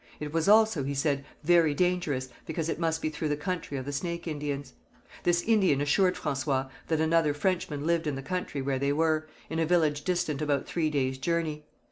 It was also, he said, very dangerous, because it must be through the country of the Snake Indians. This Indian assured François that another Frenchman lived in the country where they were, in a village distant about three days' journey.